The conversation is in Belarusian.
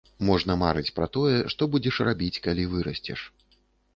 Можна марыць пра тое, што будзеш рабіць, калі вырасцеш.